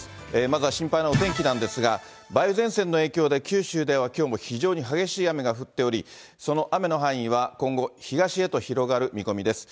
まずは心配なお天気なんですが、梅雨前線の影響で、九州ではきょうも非常に激しい雨が降っており、その雨の範囲は今後、東へと広がる見込みです。